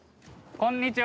こんにちは。